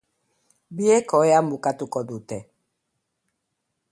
Biek ohean bukatuko dute.